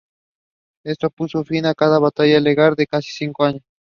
Throughout the entire project, the Los Angeles Memorial Sports Arena remained open for business.